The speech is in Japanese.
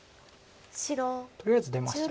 とりあえず出ました。